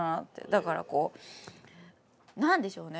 だからこう何でしょうね